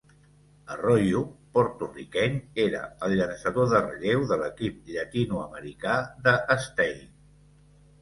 Arroyo, porto-riqueny, era el llançador de relleu de l'equip llatinoamericà de Stein.